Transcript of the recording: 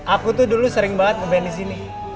aku tuh dulu sering banget ngeband disini